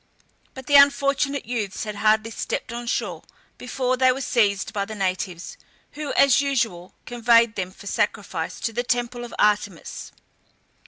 But the unfortunate youths had hardly stepped on shore before they were seized by the natives, who, as usual, conveyed them for sacrifice to the temple of Artemis.